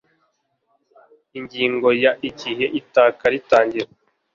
Ingingo ya Igihe Itaka ritangira